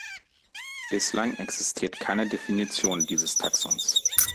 Bislang existiert keine Definition dieses Taxons.